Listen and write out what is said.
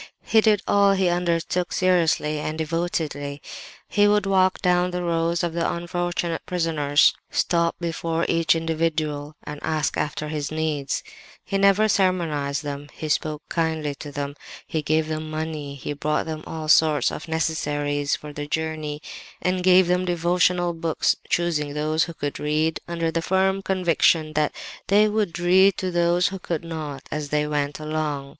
He did all he undertook seriously and devotedly. He would walk down the rows of the unfortunate prisoners, stop before each individual and ask after his needs—he never sermonized them; he spoke kindly to them—he gave them money; he brought them all sorts of necessaries for the journey, and gave them devotional books, choosing those who could read, under the firm conviction that they would read to those who could not, as they went along.